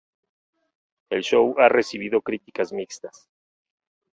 El show ha recibido críticas mixtas.